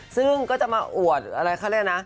ซึ่งก็จะมาอวดอะไรเขาเรียกนะ